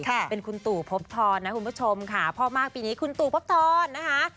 ค่ะเป็นคุณตู่พบทรนะคุณผู้ชมค่ะพ่อมากปีนี้คุณตู่พบทรนะคะ